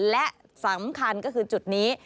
และสำคัญก็คือจุดนี้